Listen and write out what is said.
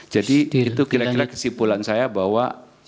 jadi itu kira kira kesimpulan saya bahwa